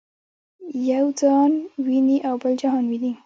یو ځان ویني او بل جهان ویني.